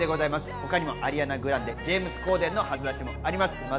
他にもアリアナ・グランデ、ジェームズ・コーデンの初出しもあります。